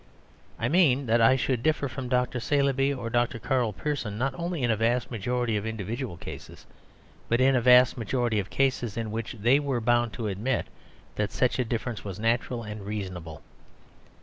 I mean that I should differ from Dr. Saleeby or Dr. Karl Pearson not only in a vast majority of individual cases, but in a vast majority of cases in which they would be bound to admit that such a difference was natural and reasonable.